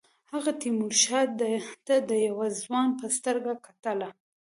هغه تیمورشاه ته د یوه ځوان په سترګه کتل.